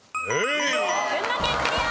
群馬県クリア。